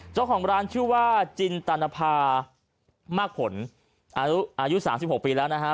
เจ้าของร้านชื่อว่าจินตานภามากผลอายุอายุสามสิบหกปีแล้วนะฮะ